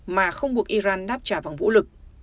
mà không buộc iran đáp trả bằng vũ lực